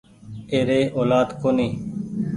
ايري اولآد ڪونيٚ